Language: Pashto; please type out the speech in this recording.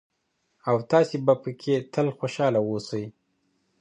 او تاسې به پکې تل خوشحاله اوسئ.